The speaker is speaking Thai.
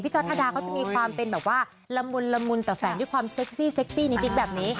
พี่จอสทาดานเขาจะมีความเป็นแบบว่าละมุนแต่แฝงด้วยความเซ็กซี่นิติกแบบนี้